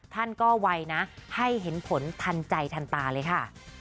ท่านก็ไวนะให้เห็นผลทันใจทันตาเลยค่ะ